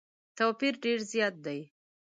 توپیر ډېر زیات دی.